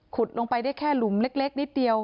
ลงไปได้แค่หลุมเล็กนิดเดียว